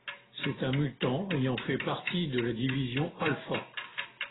C'est un mutant ayant fait partie de la Division Alpha.